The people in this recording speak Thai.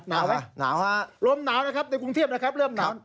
หนาวไหมหนาวฮะลมหนาวนะครับในกรุงเทพนะครับเริ่มหนาว